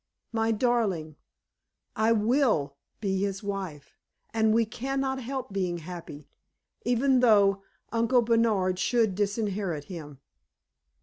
My darling! I will be his wife, and we can not help being happy, even though Uncle Bernard should disinherit him."